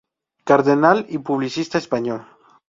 Cardenal y publicista español.